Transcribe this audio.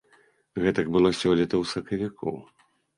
Гэтак было сёлета ў сакавіку.